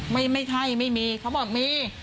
ไม่ใช่ไม่มีเขาบอกมี